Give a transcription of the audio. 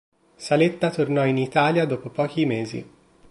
Saletta tornò in Italia dopo pochi mesi.